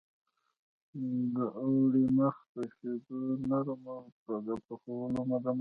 د اوړو مخ په شیدو نرموي د پخولو دمخه.